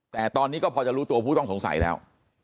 แต่ตอนนี้ก็พอจะรู้ตัวผู้ต้องสงสัยแล้ว